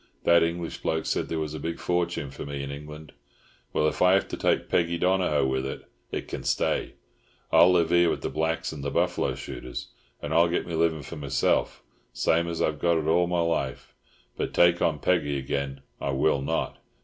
That English bloke said there was a big fortune for me in England. Well, if I have to take Peggy Donohoe with it, it can stay. I'll live here with the blacks and the buffalo shooters, and I'll get my livin' for meself, same as I got it all my life; but take on Peggy again I will not.